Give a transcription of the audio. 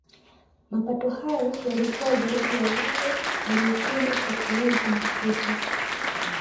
Mapato hayo yalikuwa zaidi ya yale yaliyochumwa kwa kuuza mafuta